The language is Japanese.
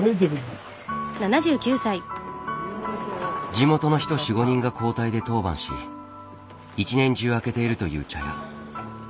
地元の人４５人が交代で当番し一年中開けているという茶屋。